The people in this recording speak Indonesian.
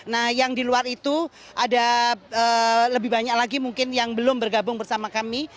nah yang di luar itu ada lebih banyak lagi mungkin yang belum bergabung bersama kami